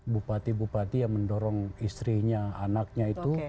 bupati bupati yang mendorong istrinya anaknya itu